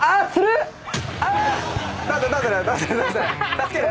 助ける？